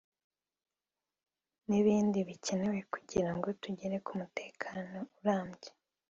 n’ibindi bikenewe kugirango tugere ku mutekano urambye